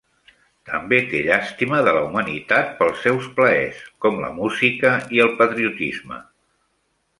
També té llàstima de la humanitat pels seus plaers, com la música i el patriotisme.